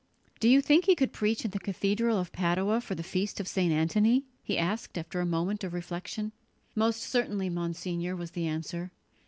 "Do you think he could preach in the cathedral of Padua for the feast of St. Antony?" he asked after a moment of reflection. "Most certainly, Monsignor," was the answer.